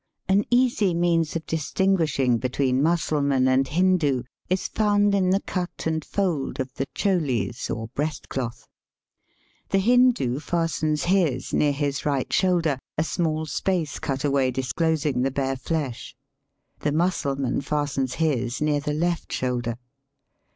An easy means of distinguishing between Mussulman and Hindoo is found in the cut and fold Digitized by VjOOQIC 180 EAST BY WEST. of the cholis or breast cloth. The Hindoo fastens his near his right shoulder, a small space cut away disclosing the bare flesh. The Mussulman fastens his near the left shoulder.